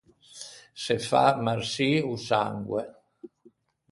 Se fâ marçî o sangue.